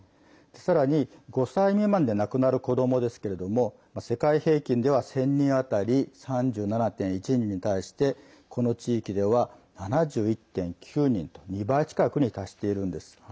さらに、５歳未満で亡くなる子どもですけれども世界平均では１０００人あたり３７．１人に対してこの地域では７１．９人と２倍近くに達しているんです。